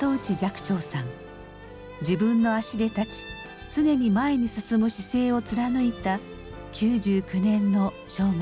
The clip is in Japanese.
自分の足で立ち常に前に進む姿勢を貫いた９９年の生涯でした。